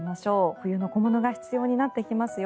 冬の小物が必要になってきますよ。